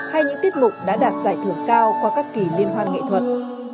hay những tiết mục đã đạt giải thưởng cao qua các kỳ liên hoan nghệ thuật